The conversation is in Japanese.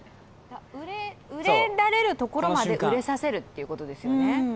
熟れられるところまで熟れさせるってことですよね。